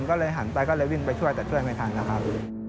ก็เลยหันไปก็เลยวิ่งไปช่วยแต่ช่วยไม่ทันนะครับ